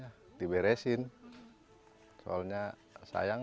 ya kalau bisa sih secepatnya diberesin